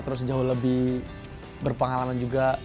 terus jauh lebih berpengalaman juga